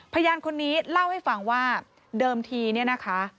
พยานคนนี้เล่าให้ฟังว่าเดิมทีเนี่ยนะคะ